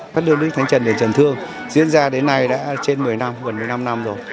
phát lương đức thánh trần đền trần thương diễn ra đến nay đã trên một mươi năm gần một mươi năm năm rồi